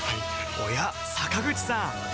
おや坂口さん